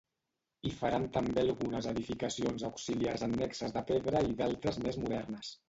Hi faran també algunes edificacions auxiliars annexes de pedra i d'altres més modernes.